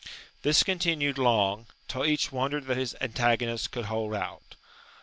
This continued long, till each wondered that his an tagonist could hold out.